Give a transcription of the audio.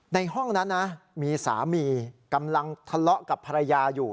ในห้องนั้นนะมีสามีกำลังทะเลาะกับภรรยาอยู่